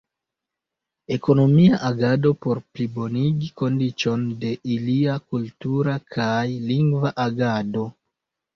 Ekonomia agado por plibonigi kondiĉon de ilia kultura kaj lingva agado.